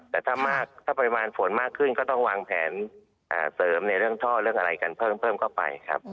แต่ถ้าปริมาณฝนมากขึ้นก็ต้องวางแผนเสริมในเรื่องท่อเรื่องอะไรกันเพิ่มเข้าไปครับ